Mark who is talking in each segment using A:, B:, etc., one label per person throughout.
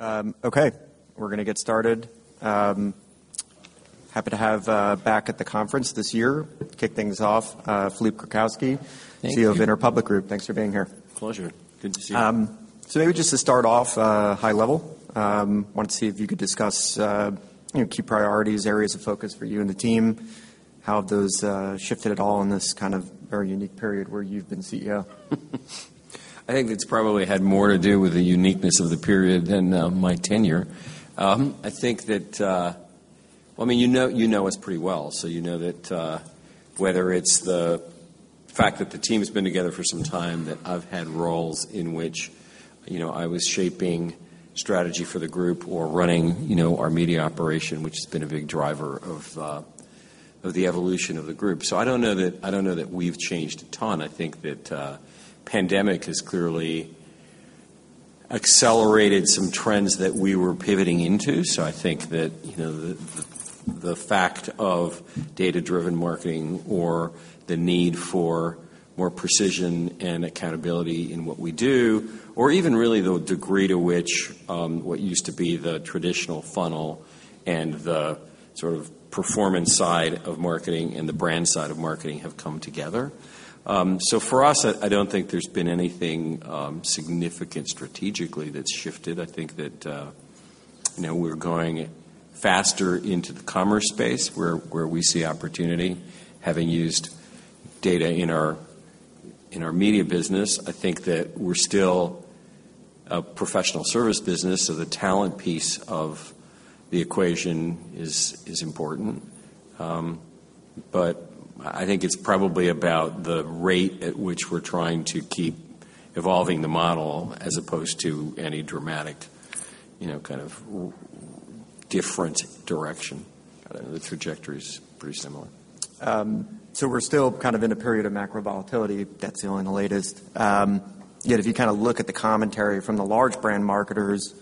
A: Okay, we're going to get started. Happy to have back at the conference this year. Kick things off, Philippe Krakowsky, CEO of Interpublic Group. Thanks for being here.
B: Pleasure. Good to see you. So maybe just to start off, high level, I wanted to see if you could discuss key priorities, areas of focus for you and the team, how have those shifted at all in this kind of very unique period where you've been CEO? I think it's probably had more to do with the uniqueness of the period than my tenure. I think that, well, I mean, you know us pretty well, so you know that whether it's the fact that the team has been together for some time, that I've had roles in which I was shaping strategy for the group or running our media operation, which has been a big driver of the evolution of the group. So I don't know that we've changed a ton. I think that the pandemic has clearly accelerated some trends that we were pivoting into. So I think that the fact of data-driven marketing or the need for more precision and accountability in what we do, or even really the degree to which what used to be the traditional funnel and the sort of performance side of marketing and the brand side of marketing have come together. So for us, I don't think there's been anything significant strategically that's shifted. I think that we're going faster into the commerce space where we see opportunity, having used data in our media business. I think that we're still a professional service business, so the talent piece of the equation is important. But I think it's probably about the rate at which we're trying to keep evolving the model as opposed to any dramatic kind of different direction. The trajectory is pretty similar. We're still kind of in a period of macro volatility. That's the only latest. Yet if you kind of look at the commentary from the large brand marketers,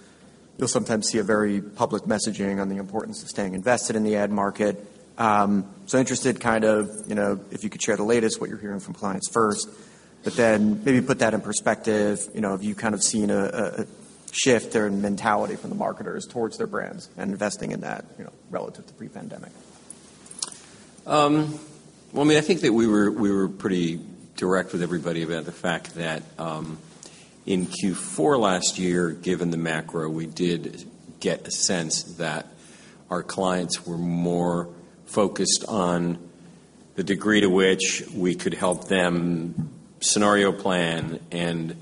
B: you'll sometimes see a very public messaging on the importance of staying invested in the ad market. Interested kind of if you could share the latest, what you're hearing from clients first, but then maybe put that in perspective of you kind of seeing a shift in mentality from the marketers towards their brands and investing in that relative to pre-pandemic. Well, I mean, I think that we were pretty direct with everybody about the fact that in Q4 last year, given the macro, we did get a sense that our clients were more focused on the degree to which we could help them scenario plan, and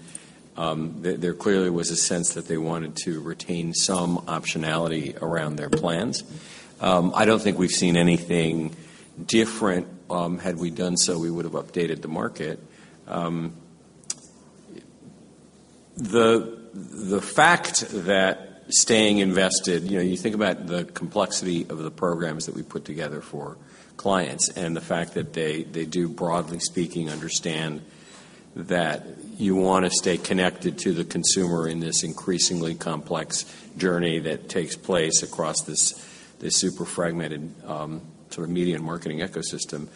B: there clearly was a sense that they wanted to retain some optionality around their plans. I don't think we've seen anything different. Had we done so, we would have updated the market. The fact that staying invested, you think about the complexity of the programs that we put together for clients and the fact that they do, broadly speaking, understand that you want to stay connected to the consumer in this increasingly complex journey that takes place across this super fragmented sort of media and marketing ecosystem.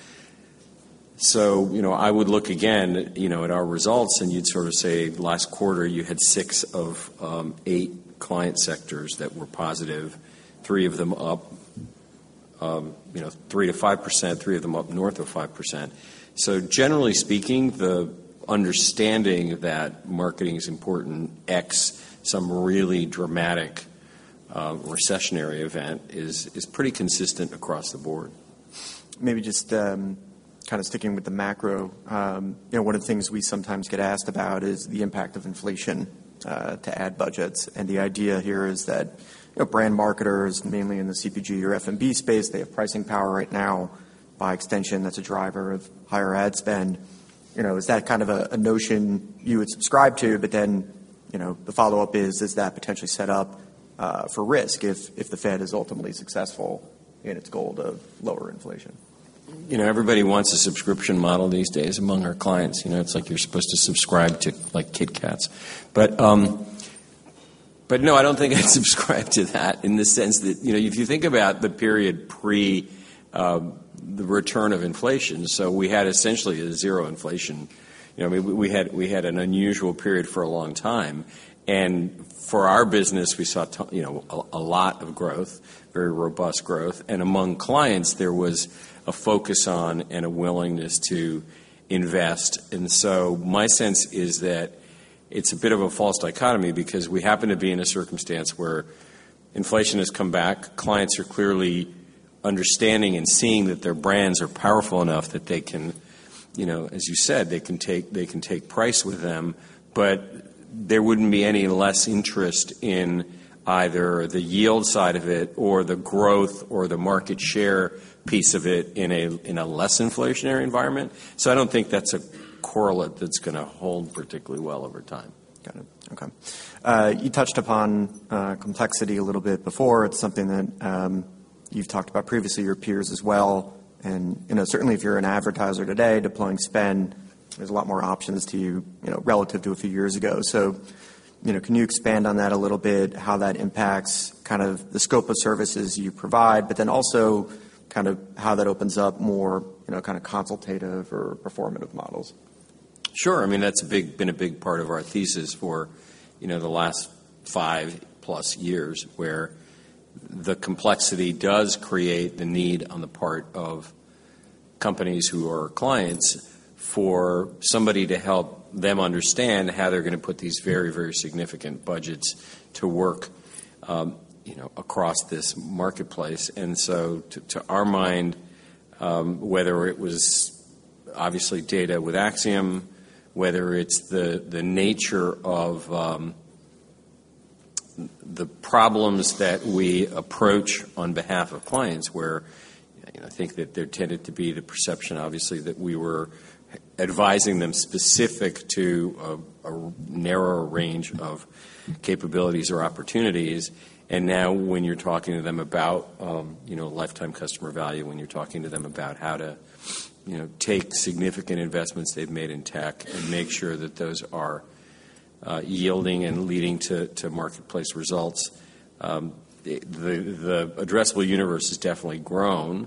B: So I would look again at our results, and you'd sort of say last quarter you had six of eight client sectors that were positive, three of them up 3%-5%, three of them up north of 5%. So generally speaking, the understanding that marketing is important absent some really dramatic recessionary event is pretty consistent across the board. Maybe just kind of sticking with the macro, one of the things we sometimes get asked about is the impact of inflation to ad budgets. And the idea here is that brand marketers, mainly in the CPG or F&B space, they have pricing power right now. By extension, that's a driver of higher ad spend. Is that kind of a notion you would subscribe to? But then the follow-up is, is that potentially set up for risk if the Fed is ultimately successful in its goal to lower inflation? Everybody wants a subscription model these days among our clients. It's like you're supposed to subscribe to KitKats. But no, I don't think I'd subscribe to that in the sense that if you think about the period pre the return of inflation, so we had essentially a zero inflation. We had an unusual period for a long time. And for our business, we saw a lot of growth, very robust growth. And among clients, there was a focus on and a willingness to invest. And so my sense is that it's a bit of a false dichotomy because we happen to be in a circumstance where inflation has come back. Clients are clearly understanding and seeing that their brands are powerful enough that they can, as you said, they can take price with them. But there wouldn't be any less interest in either the yield side of it or the growth or the market share piece of it in a less inflationary environment. So I don't think that's a correlate that's going to hold particularly well over time. Got it. Okay. You touched upon complexity a little bit before. It's something that you've talked about previously, your peers as well. And certainly, if you're an advertiser today deploying spend, there's a lot more options to you relative to a few years ago. So can you expand on that a little bit, how that impacts kind of the scope of services you provide, but then also kind of how that opens up more kind of consultative or performative models? Sure. I mean, that's been a big part of our thesis for the last 5+ years where the complexity does create the need on the part of companies who are clients for somebody to help them understand how they're going to put these very, very significant budgets to work across this marketplace, and so to our mind, whether it was obviously data with Acxiom, whether it's the nature of the problems that we approach on behalf of clients where I think that there tended to be the perception, obviously, that we were advising them specific to a narrower range of capabilities or opportunities, and now when you're talking to them about lifetime customer value, when you're talking to them about how to take significant investments they've made in tech and make sure that those are yielding and leading to marketplace results, the addressable universe has definitely grown.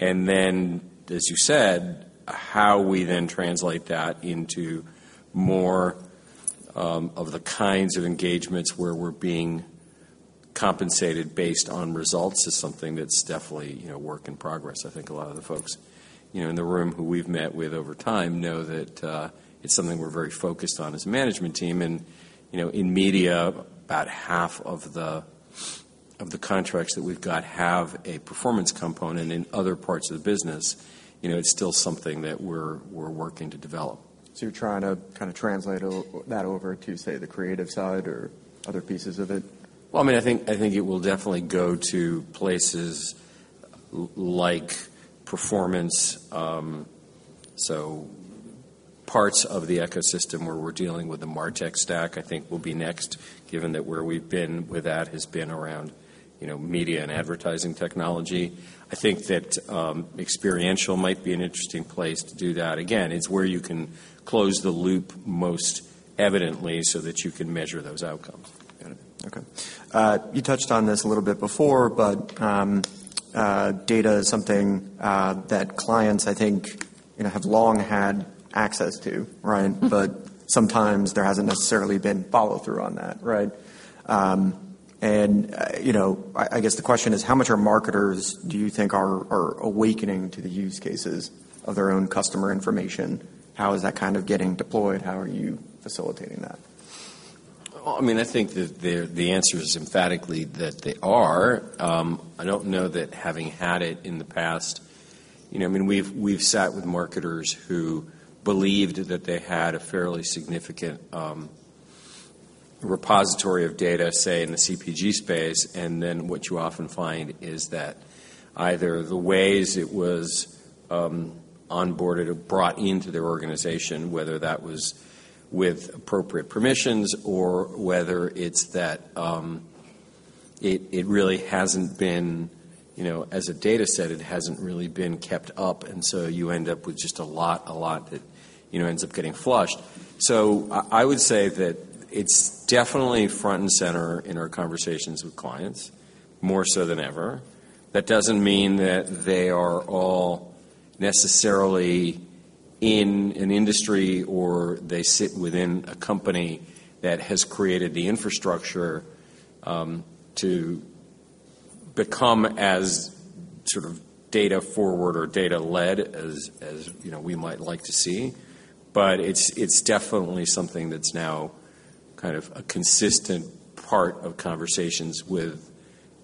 B: And then, as you said, how we then translate that into more of the kinds of engagements where we're being compensated based on results is something that's definitely a work in progress. I think a lot of the folks in the room who we've met with over time know that it's something we're very focused on as a management team. And in media, about half of the contracts that we've got have a performance component. In other parts of the business, it's still something that we're working to develop. So you're trying to kind of translate that over to, say, the creative side or other pieces of it? Well, I mean, I think it will definitely go to places like performance. So parts of the ecosystem where we're dealing with the MarTech stack, I think, will be next, given that where we've been with that has been around media and advertising technology. I think that experiential might be an interesting place to do that. Again, it's where you can close the loop most evidently so that you can measure those outcomes. Got it. Okay. You touched on this a little bit before, but data is something that clients, I think, have long had access to, right? But sometimes there hasn't necessarily been follow-through on that, right? And I guess the question is, how much are marketers, do you think, awakening to the use cases of their own customer information? How is that kind of getting deployed? How are you facilitating that? I mean, I think that the answer is emphatically that they are. I don't know that having had it in the past, I mean, we've sat with marketers who believed that they had a fairly significant repository of data, say, in the CPG space. And then what you often find is that either the ways it was onboarded or brought into their organization, whether that was with appropriate permissions or whether it's that it really hasn't been as a data set, it hasn't really been kept up. And so you end up with just a lot, a lot that ends up getting flushed. So I would say that it's definitely front and center in our conversations with clients, more so than ever. That doesn't mean that they are all necessarily in an industry or they sit within a company that has created the infrastructure to become as sort of data-forward or data-led as we might like to see. But it's definitely something that's now kind of a consistent part of conversations with,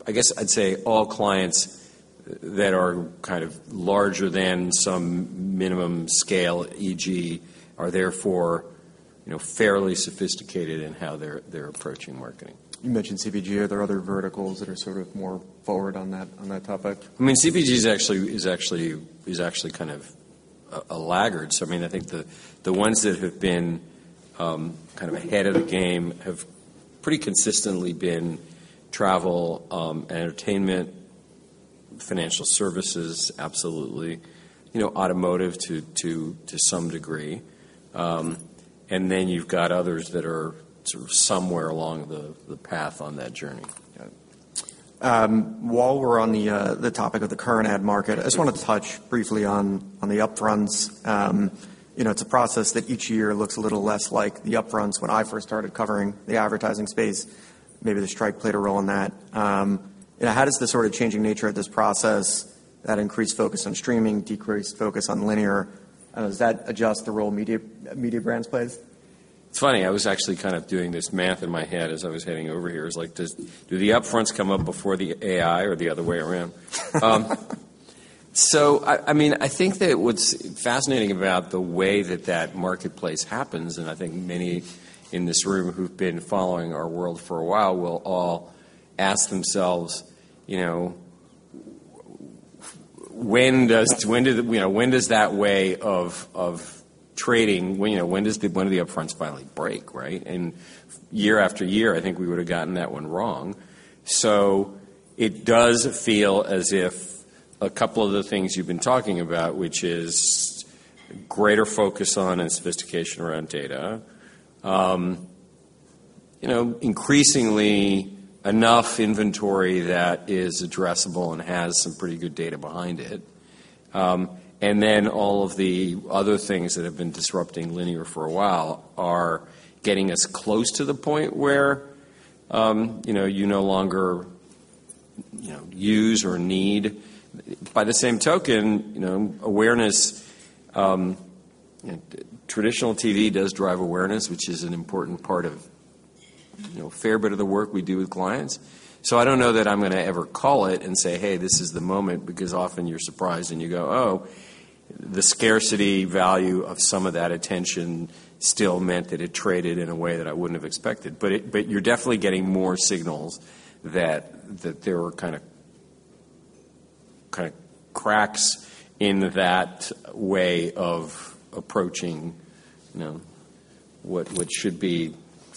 B: I guess I'd say, all clients that are kind of larger than some minimum scale, e.g., are therefore fairly sophisticated in how they're approaching marketing. You mentioned CPG. Are there other verticals that are sort of more forward on that topic? I mean, CPG is actually kind of a laggard. So I mean, I think the ones that have been kind of ahead of the game have pretty consistently been travel and entertainment, financial services, absolutely, automotive to some degree, and then you've got others that are sort of somewhere along the path on that journey. Got it. While we're on the topic of the current ad market, I just want to touch briefly on the Upfronts. It's a process that each year looks a little less like the Upfronts when I first started covering the advertising space. Maybe the strike played a role in that. How does the sort of changing nature of this process, that increased focus on streaming, decreased focus on linear, does that adjust the role media brands play? It's funny. I was actually kind of doing this math in my head as I was heading over here. It's like, do the Upfronts come up before the AI or the other way around? So I mean, I think that what's fascinating about the way that that marketplace happens, and I think many in this room who've been following our world for a while will all ask themselves, when does that way of trading, when do the Upfronts finally break, right? And year after year, I think we would have gotten that one wrong. So it does feel as if a couple of the things you've been talking about, which is greater focus on and sophistication around data, increasingly enough inventory that is addressable and has some pretty good data behind it. And then all of the other things that have been disrupting linear for a while are getting us close to the point where you no longer use or need. By the same token, awareness, traditional TV does drive awareness, which is an important part of a fair bit of the work we do with clients. So I don't know that I'm going to ever call it and say, "Hey, this is the moment," because often you're surprised and you go, "Oh, the scarcity value of some of that attention still meant that it traded in a way that I wouldn't have expected." But you're definitely getting more signals that there are kind of cracks in that way of approaching what should be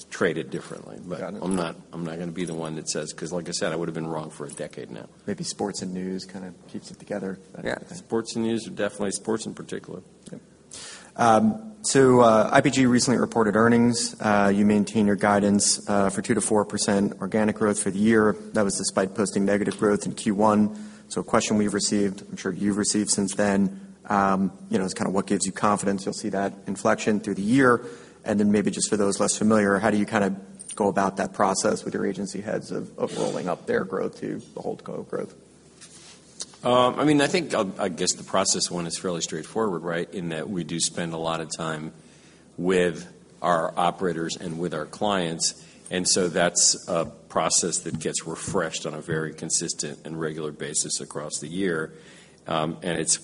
B: traded differently. But I'm not going to be the one that says, because like I said, I would have been wrong for a decade now. Maybe sports and news kind of keeps it together. Yeah. Sports and news are definitely sports in particular. Yep. So IPG recently reported earnings. You maintain your guidance for 2%-4% organic growth for the year. That was despite posting negative growth in Q1. So a question we've received, I'm sure you've received since then, is kind of what gives you confidence you'll see that inflection through the year. And then maybe just for those less familiar, how do you kind of go about that process with your agency heads of rolling up their growth to the whole growth? I mean, I think I guess the process one is fairly straightforward, right, in that we do spend a lot of time with our operators and with our clients. And so that's a process that gets refreshed on a very consistent and regular basis across the year. And it's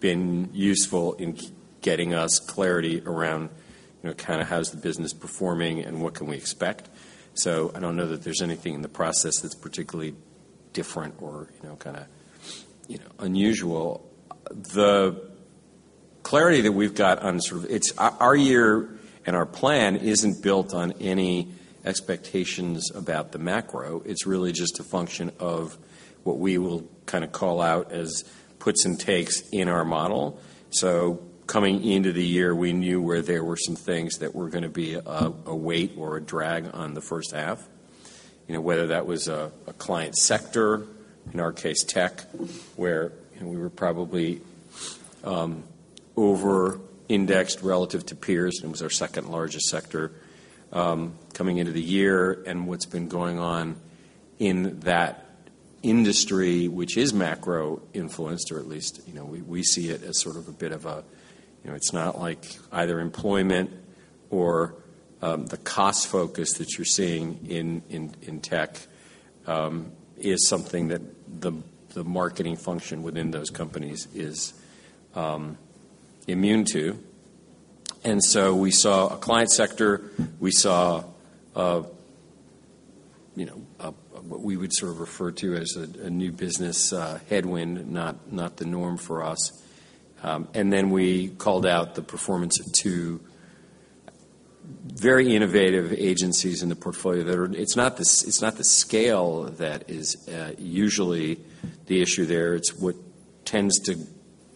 B: been useful in getting us clarity around kind of how is the business performing and what can we expect. So I don't know that there's anything in the process that's particularly different or kind of unusual. The clarity that we've got on sort of our year and our plan isn't built on any expectations about the macro. It's really just a function of what we will kind of call out as puts and takes in our model. So coming into the year, we knew where there were some things that were going to be a weight or a drag on the first half, whether that was a client sector, in our case, tech, where we were probably over-indexed relative to peers. It was our second largest sector coming into the year. And what's been going on in that industry, which is macro-influenced, or at least we see it as sort of a bit of a it's not like either employment or the cost focus that you're seeing in tech is something that the marketing function within those companies is immune to. And so we saw a client sector. We saw what we would sort of refer to as a new business headwind, not the norm for us. And then we called out the performance of two very innovative agencies in the portfolio that are. It's not the scale that is usually the issue there. It's what tends to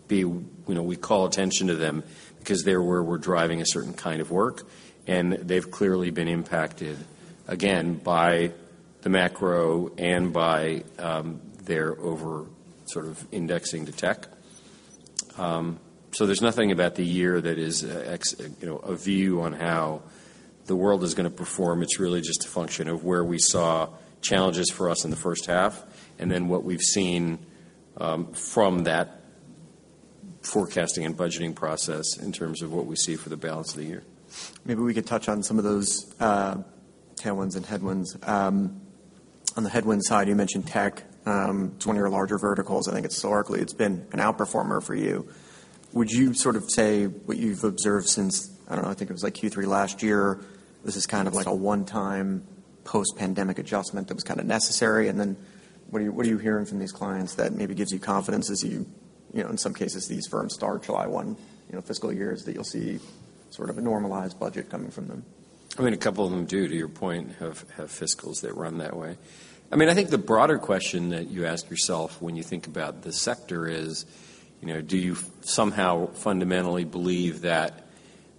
B: be. We call attention to them because they're where we're driving a certain kind of work. And they've clearly been impacted, again, by the macro and by their over, sort of, indexing to tech. So there's nothing about the year that is a view on how the world is going to perform. It's really just a function of where we saw challenges for us in the first half and then what we've seen from that forecasting and budgeting process in terms of what we see for the balance of the year. Maybe we could touch on some of those tailwinds and headwinds. On the headwind side, you mentioned tech, 20 or larger verticals. I think historically, it's been an outperformer for you. Would you sort of say what you've observed since, I don't know, I think it was like Q3 last year, this is kind of like a one-time post-pandemic adjustment that was kind of necessary? And then what are you hearing from these clients that maybe gives you confidence as you, in some cases, these firms start July 1 fiscal year is that you'll see sort of a normalized budget coming from them? I mean, a couple of them do, to your point, have fiscals that run that way. I mean, I think the broader question that you ask yourself when you think about the sector is, do you somehow fundamentally believe that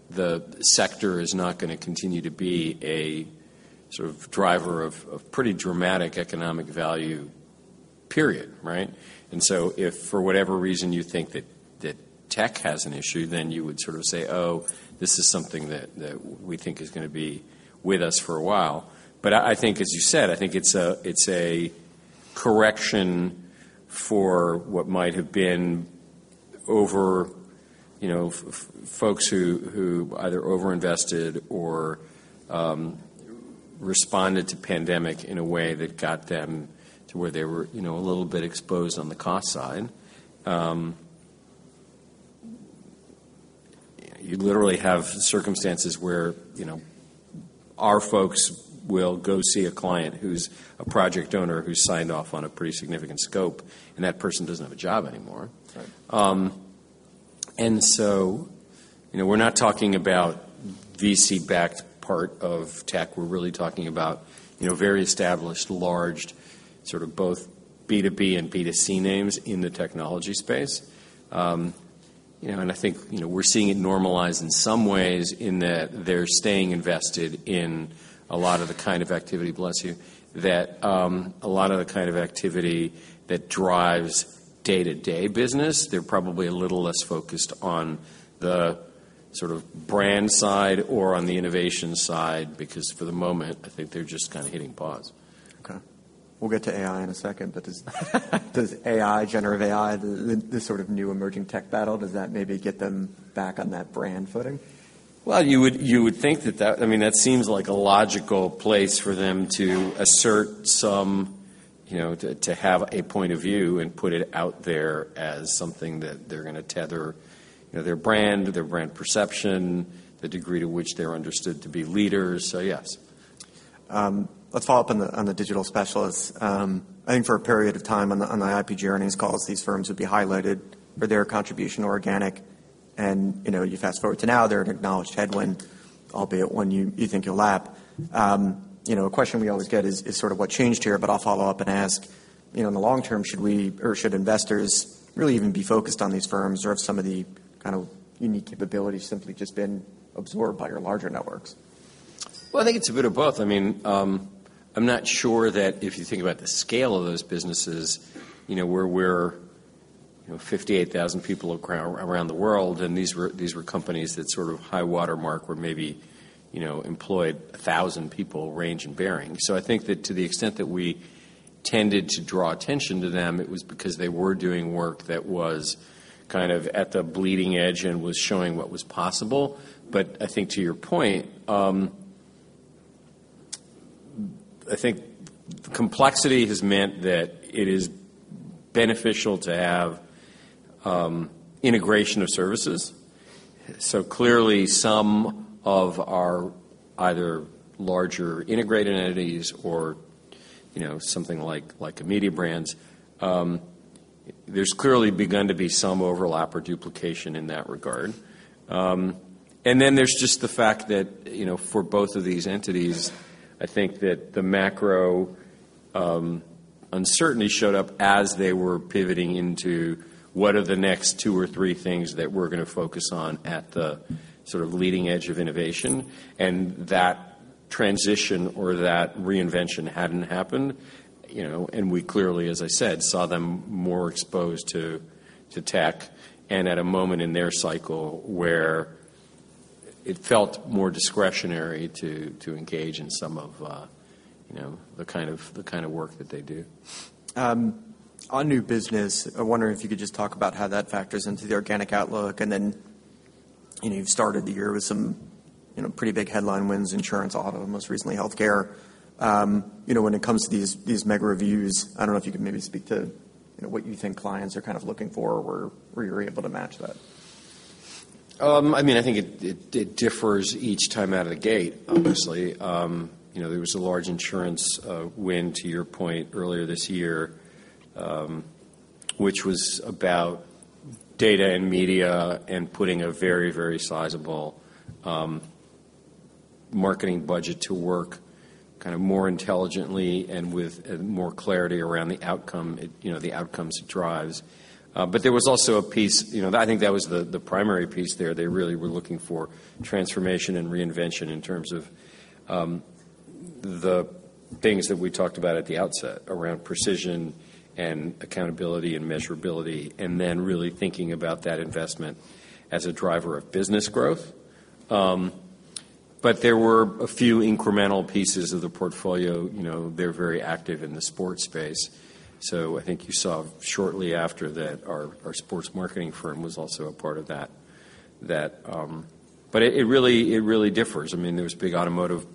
B: the sector is not going to continue to be a sort of driver of pretty dramatic economic value, period, right? And so if for whatever reason you think that tech has an issue, then you would sort of say, "Oh, this is something that we think is going to be with us for a while." But I think, as you said, I think it's a correction for what might have been over folks who either over-invested or responded to pandemic in a way that got them to where they were a little bit exposed on the cost side. You literally have circumstances where our folks will go see a client who's a project owner who's signed off on a pretty significant scope, and that person doesn't have a job anymore. We're not talking about VC-backed part of tech. We're really talking about very established, large, sort of both B2B and B2C names in the technology space. I think we're seeing it normalize in some ways in that they're staying invested in a lot of the kind of activity, bless you, that a lot of the kind of activity that drives day-to-day business. They're probably a little less focused on the sort of brand side or on the innovation side because for the moment, I think they're just kind of hitting pause. Okay. We'll get to AI in a second, but does generative AI, this sort of new emerging tech battle, does that maybe get them back on that brand footing? You would think that, I mean, that seems like a logical place for them to assert some, to have a point of view and put it out there as something that they're going to tether their brand, their brand perception, the degree to which they're understood to be leaders. So yes. Let's follow up on the digital specialists. I think for a period of time on the IPG earnings calls, these firms would be highlighted for their contribution to organic, and you fast forward to now, they're an acknowledged headwind, albeit one you think you'll lap. A question we always get is sort of what changed here, but I'll follow up and ask, in the long term, should investors really even be focused on these firms or have some of the kind of unique capabilities simply just been absorbed by your larger networks? I think it's a bit of both. I mean, I'm not sure that if you think about the scale of those businesses where we're 58,000 people around the world, and these were companies that sort of high watermark were maybe employed 1,000 people range and bearing. So I think that to the extent that we tended to draw attention to them, it was because they were doing work that was kind of at the bleeding edge and was showing what was possible. But I think to your point, I think complexity has meant that it is beneficial to have integration of services. So clearly, some of our either larger integrated entities or something like a Mediabrands, there's clearly begun to be some overlap or duplication in that regard. And then there's just the fact that for both of these entities, I think that the macro uncertainty showed up as they were pivoting into what are the next two or three things that we're going to focus on at the sort of leading edge of innovation. And that transition or that reinvention hadn't happened. And we clearly, as I said, saw them more exposed to tech and at a moment in their cycle where it felt more discretionary to engage in some of the kind of work that they do. On new business, I wonder if you could just talk about how that factors into the organic outlook. And then you've started the year with some pretty big headline wins, insurance, auto, and most recently healthcare. When it comes to these mega reviews, I don't know if you could maybe speak to what you think clients are kind of looking for or where you're able to match that? I mean, I think it differs each time out of the gate, obviously. There was a large insurance win to your point earlier this year, which was about data and media and putting a very, very sizable marketing budget to work kind of more intelligently and with more clarity around the outcomes it drives. But there was also a piece I think that was the primary piece there. They really were looking for transformation and reinvention in terms of the things that we talked about at the outset around precision and accountability and measurability, and then really thinking about that investment as a driver of business growth. But there were a few incremental pieces of the portfolio. They're very active in the sports space. So I think you saw shortly after that our sports marketing firm was also a part of that. But it really differs. I mean, there was a big automotive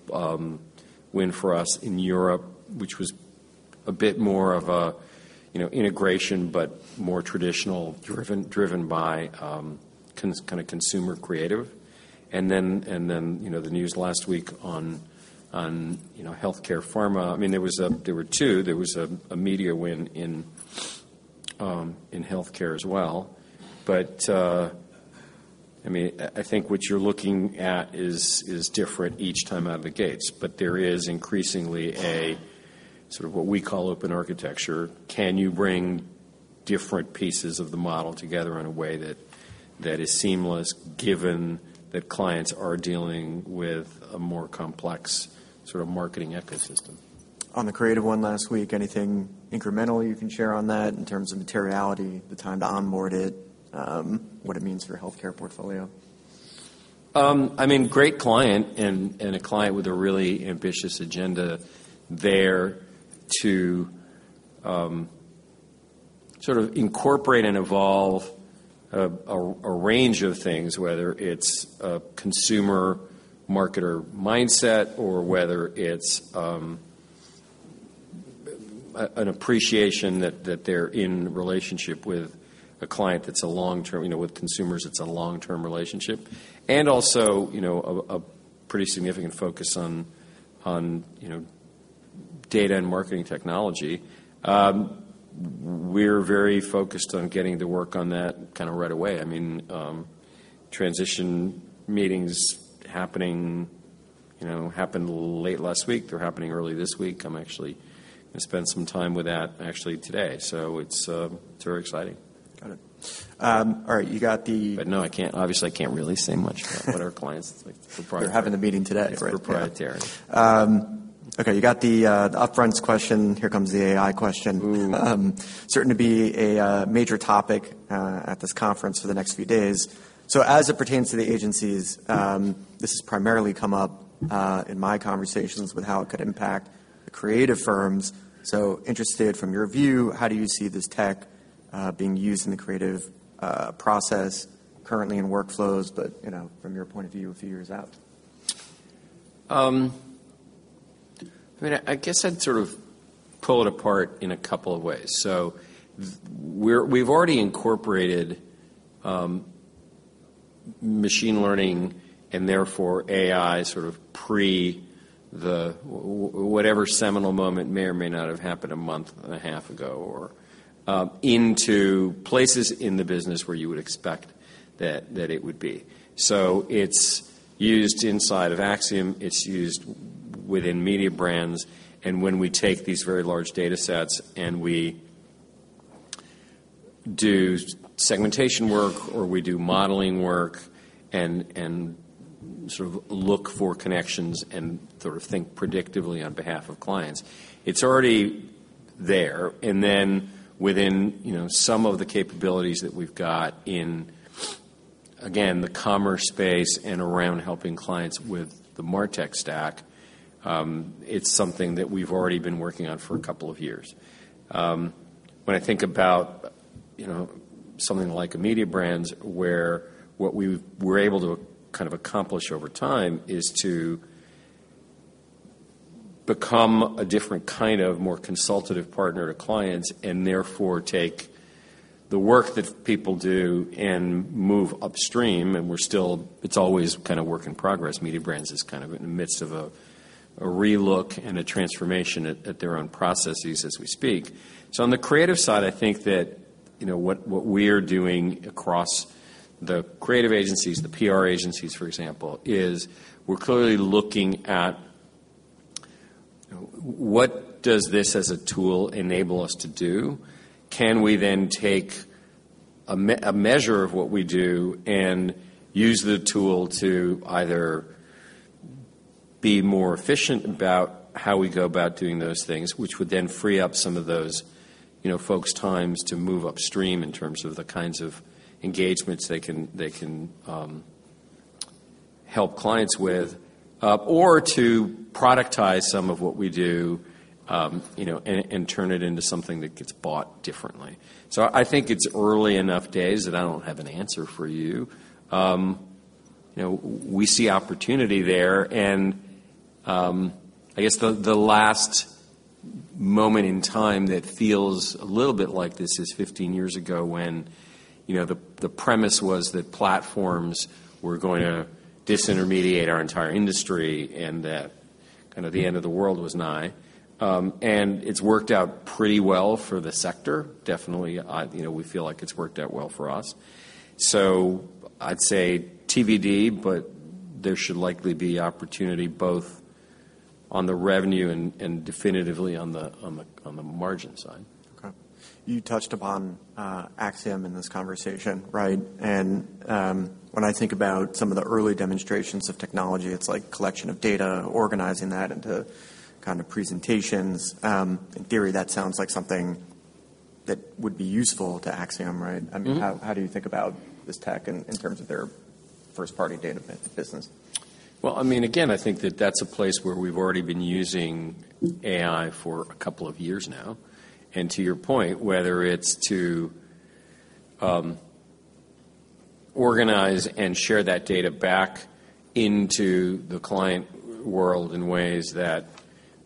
B: win for us in Europe, which was a bit more of an integration, but more traditional, driven by kind of consumer creative. And then the news last week on healthcare, pharma, I mean, there were two. There was a media win in healthcare as well. But I mean, I think what you're looking at is different each time out of the gates. But there is increasingly a sort of what we call open architecture. Can you bring different pieces of the model together in a way that is seamless given that clients are dealing with a more complex sort of marketing ecosystem? On the creative one last week, anything incremental you can share on that in terms of materiality, the time to onboard it, what it means for your healthcare portfolio? I mean, great client and a client with a really ambitious agenda there to sort of incorporate and evolve a range of things, whether it's a consumer marketer mindset or whether it's an appreciation that they're in relationship with a client that's a long-term with consumers. It's a long-term relationship, and also a pretty significant focus on data and marketing technology. We're very focused on getting to work on that kind of right away. I mean, transition meetings happening late last week. They're happening early this week. I'm actually going to spend some time with that actually today, so it's very exciting. Got it. All right. You got the. But no, I can't obviously, I can't really say much about what our clients like. They're having the meeting today, right? It's proprietary. Okay. You got the upfront question. Here comes the AI question. Certain to be a major topic at this conference for the next few days. So as it pertains to the agencies, this has primarily come up in my conversations with how it could impact the creative firms. So interested from your view, how do you see this tech being used in the creative process currently in workflows, but from your point of view a few years out? I mean, I guess I'd sort of pull it apart in a couple of ways. So we've already incorporated machine learning and therefore AI sort of pre the whatever seminal moment may or may not have happened a month and a half ago or into places in the business where you would expect that it would be. So it's used inside of Acxiom. It's used within Mediabrands. And when we take these very large data sets and we do segmentation work or we do modeling work and sort of look for connections and sort of think predictively on behalf of clients, it's already there. And then within some of the capabilities that we've got in, again, the commerce space and around helping clients with the MarTech stack, it's something that we've already been working on for a couple of years. When I think about something like Mediabrands, where what we were able to kind of accomplish over time is to become a different kind of more consultative partner to clients and therefore take the work that people do and move upstream, and we're still, it's always kind of a work in progress. Mediabrands is kind of in the midst of a relook and a transformation at their own processes as we speak, so on the creative side, I think that what we're doing across the creative agencies, the PR agencies, for example, is we're clearly looking at what does this as a tool enable us to do? Can we then take a measure of what we do and use the tool to either be more efficient about how we go about doing those things, which would then free up some of those folks' times to move upstream in terms of the kinds of engagements they can help clients with, or to productize some of what we do and turn it into something that gets bought differently? So I think it's early enough days that I don't have an answer for you. We see opportunity there. And I guess the last moment in time that feel a little bit like this is 15 years ago when the premise was that platforms were going to disintermediate our entire industry and that kind of the end of the world was nigh. And it's worked out pretty well for the sector. Definitely, we feel like it's worked out well for us. I'd say TBD, but there should likely be opportunity both on the revenue and definitively on the margin side. Okay. You touched upon Acxiom in this conversation, right? And when I think about some of the early demonstrations of technology, it's like collection of data, organizing that into kind of presentations. In theory, that sounds like something that would be useful to Acxiom, right? I mean, how do you think about this tech in terms of their first-party data business? I mean, again, I think that that's a place where we've already been using AI for a couple of years now, and to your point, whether it's to organize and share that data back into the client world in ways that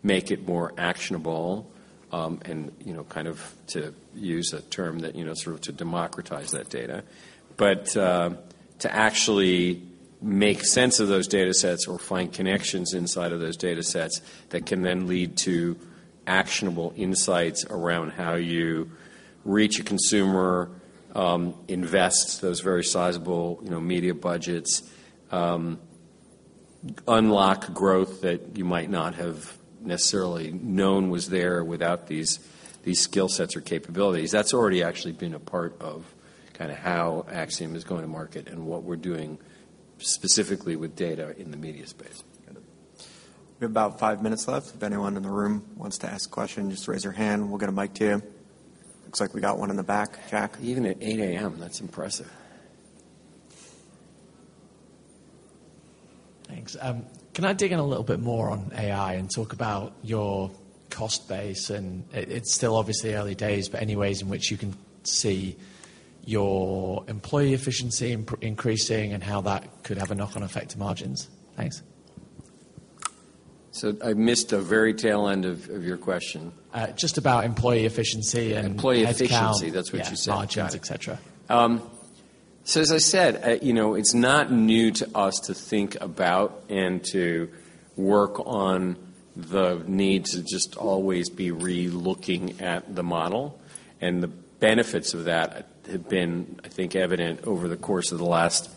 B: make it more actionable and kind of, to use a term that sort of, to democratize that data, but to actually make sense of those data sets or find connections inside of those data sets that can then lead to actionable insights around how you reach a consumer, invest those very sizable media budgets, unlock growth that you might not have necessarily known was there without these skill sets or capabilities. That's already actually been a part of kind of how Acxiom is going to market and what we're doing specifically with data in the media space. We have about five minutes left. If anyone in the room wants to ask a question, just raise your hand. We'll get a mic to you. Looks like we got one in the back. Jack. Even at 8:00 A.M., that's impressive.
C: Thanks. Can I dig in a little bit more on AI and talk about your cost base? And it's still obviously early days, but any ways in which you can see your employee efficiency increasing and how that could have a knock-on effect to margins? Thanks.
B: So I missed the very tail end of your question.
C: Just about employee efficiency and.
B: Employee efficiency, that's what you said.
C: Margins, etc.
B: So as I said, it's not new to us to think about and to work on the need to just always be relooking at the model. And the benefits of that have been, I think, evident over the course of the last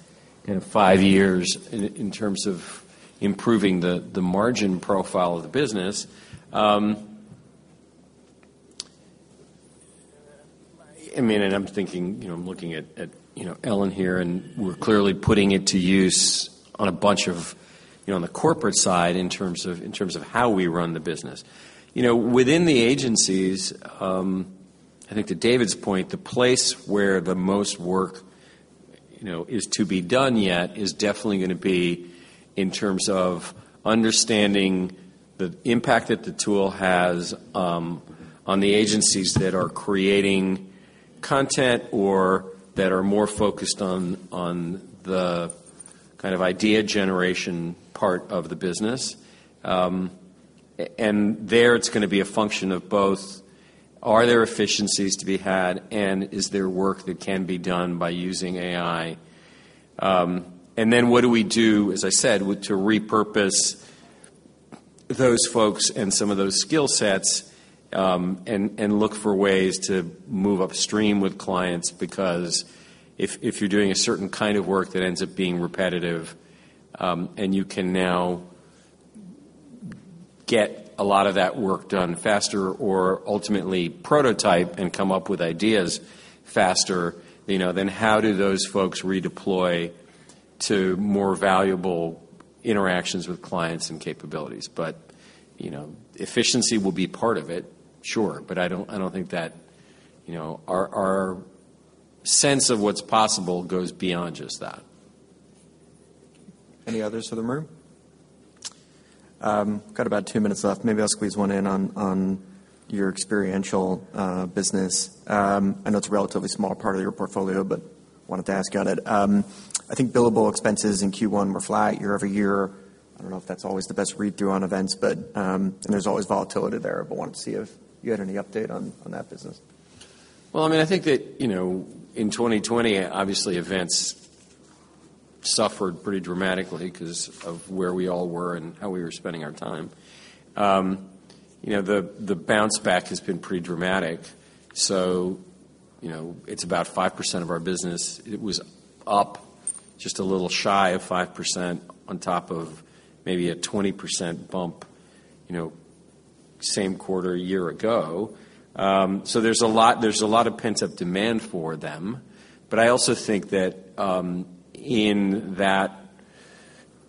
B: kind of five years in terms of improving the margin profile of the business. I mean, and I'm thinking I'm looking at Ellen here, and we're clearly putting it to use on a bunch of the corporate side in terms of how we run the business. Within the agencies, I think to David's point, the place where the most work is to be done yet is definitely going to be in terms of understanding the impact that the tool has on the agencies that are creating content or that are more focused on the kind of idea generation part of the business. There, it's going to be a function of both: are there efficiencies to be had, and is there work that can be done by using AI? And then what do we do, as I said, to repurpose those folks and some of those skill sets and look for ways to move upstream with clients? Because if you're doing a certain kind of work that ends up being repetitive and you can now get a lot of that work done faster or ultimately prototype and come up with ideas faster, then how do those folks redeploy to more valuable interactions with clients and capabilities? But efficiency will be part of it, sure. But I don't think that our sense of what's possible goes beyond just that. Any others in the room? Got about two minutes left. Maybe I'll squeeze one in on your experiential business. I know it's a relatively small part of your portfolio, but wanted to ask on it. I think billable expenses in Q1 were flat year-over-year. I don't know if that's always the best read-through on events, but there's always volatility there. But wanted to see if you had any update on that business. I mean, I think that in 2020, obviously, events suffered pretty dramatically because of where we all were and how we were spending our time. The bounce back has been pretty dramatic. So it's about 5% of our business. It was up just a little shy of 5% on top of maybe a 20% bump same quarter a year ago. So there's a lot of pent-up demand for them. But I also think that in that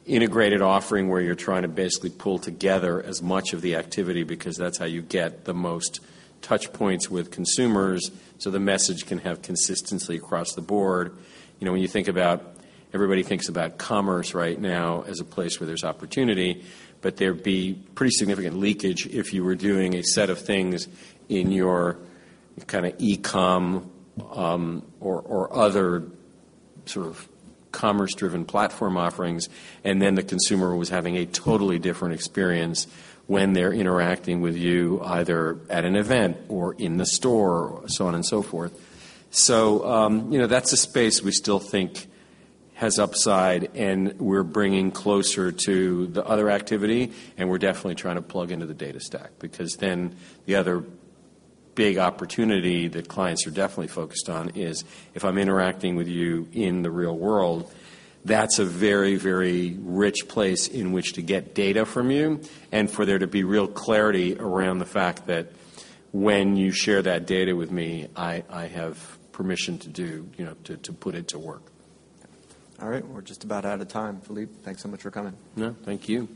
B: integrated offering where you're trying to basically pull together as much of the activity, because that's how you get the most touchpoints with consumers, so the message can have consistency across the board. When you think about everybody thinks about commerce right now as a place where there's opportunity, but there'd be pretty significant leakage if you were doing a set of things in your kind of e-com or other sort of commerce-driven platform offerings, and then the consumer was having a totally different experience when they're interacting with you either at an event or in the store, so on and so forth, so that's a space we still think has upside, and we're bringing closer to the other activity. And we're definitely trying to plug into the data stack because then the other big opportunity that clients are definitely focused on is if I'm interacting with you in the real world, that's a very, very rich place in which to get data from you and for there to be real clarity around the fact that when you share that data with me, I have permission to do to put it to work. All right. We're just about out of time. Philippe, thanks so much for coming. No, thank you.